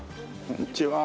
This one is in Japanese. こんにちは。